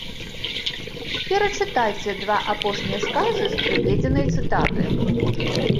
Перачытайце два апошнія сказы з прыведзенай цытаты.